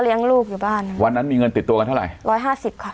ลูกอยู่บ้านวันนั้นมีเงินติดตัวกันเท่าไหร่ร้อยห้าสิบค่ะ